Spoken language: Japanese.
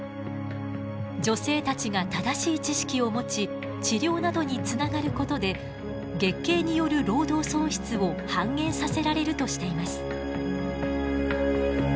女性たちが正しい知識を持ち治療などにつながることで月経による労働損失を半減させられるとしています。